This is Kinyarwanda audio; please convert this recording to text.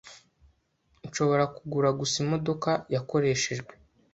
Nshobora kugura gusa imodoka yakoreshejwe.